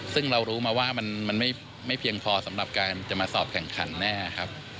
ซึ่งเรารู้มาว่ามันไม่เพียงพอสำหรับการจะมาสอบแข่งขันแน่ครับ